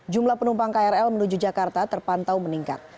jumlah penumpang krl menuju jakarta terpantau meningkat